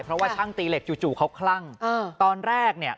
เพราะว่าช่างตีเหล็กจู่จู่เขาคลั่งตอนแรกเนี่ย